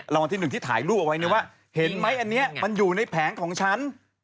รางวัลที่๑ที่ถ่ายรูปเอาไว้เนี่ยว่าเห็นไหมอันนี้มันอยู่ในแผงของฉัน